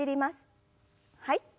はい。